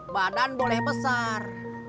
badan boleh besar